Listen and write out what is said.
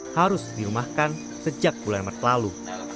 harus dirumahkan sejak bulan maret lalu